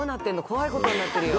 怖いことになってるよ。